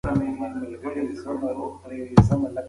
شاعر د خپلې محبوبې د وصال لپاره د ترنګ له روده سوال کوي.